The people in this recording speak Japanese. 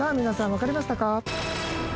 皆さん分かりましたか？